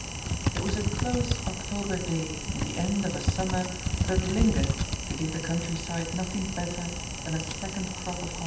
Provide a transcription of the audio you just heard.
It was a close October day in the end of a summer that had lingered to give the countryside nothing better than a second crop of haws.